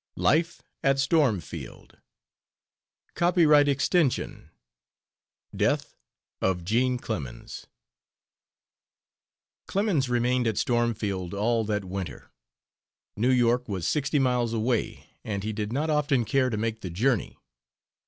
LIFE AT STORMFIELD. COPYRIGHT EXTENSION. DEATH OF JEAN CLEMENS Clemens remained at Stormfield all that winter. New York was sixty miles away and he did not often care to make the journey.